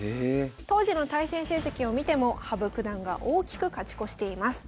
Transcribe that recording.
当時の対戦成績を見ても羽生九段が大きく勝ち越しています。